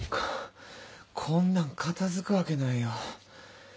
こんなん片付くわけないよ。